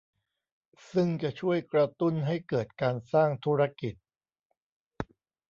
ซึ่งจะช่วยกระตุ้นให้เกิดการสร้างธุรกิจ